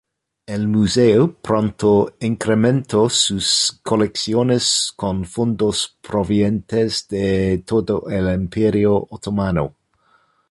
El museo pronto incrementó sus colecciones con fondos provenientes de todo el Imperio otomano.